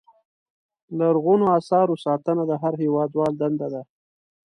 لرغونو اثارو ساتنه د هر هېوادوال دنده ده.